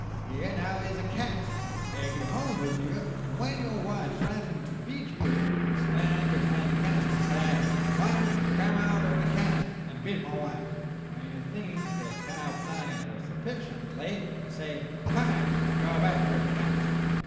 Here now is a cask. Take it home with you, and when your wife threatens to beat you, stand behind the cask and say, 'Five, come out of the cask and beat my wife!' When you think they have punished her sufficiently, say, 'Five, go back to your cask!